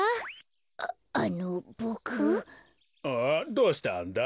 どうしたんだ？